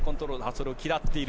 それを嫌っている。